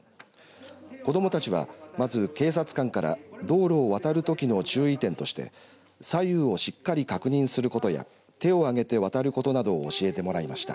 子どもたちは、まず警察官から道路を渡るときの注意点として左右をしっかり確認することや手を上げて渡ることなどを教えてもらいました。